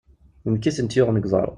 D nekk i tent-yuɣen g uḍaṛ.